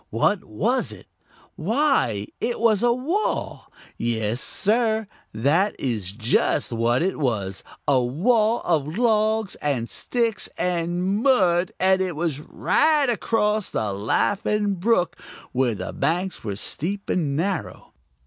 What was it? Why, it was a wall. Yes, Sir, that is just what it was a wall of logs and sticks and mud, and it was right across the Laughing Brook, where the banks were steep and narrow.